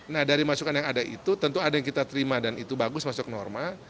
nah dari masukan yang ada itu tentu ada yang kita terima dan itu bagus masuk norma